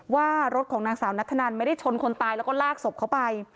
ว่ารถของนางสาวนัทธนันไม่ได้ชนคนตายแล้วก็ลากศพเข้าไป